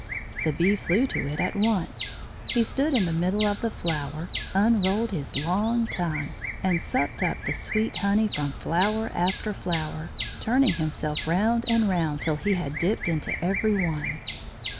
The bee flew to it at once. He stood in the middle of the flower, unrolled his long tongue, and supped up the sweet honey from flower after flower, turning himself round and round till he had dipped into every one.